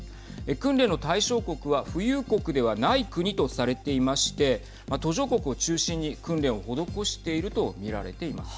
訓練の対象国は富裕国ではない国とされていまして途上国を中心に、訓練を施していると見られています。